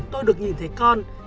tôi được nhìn thấy con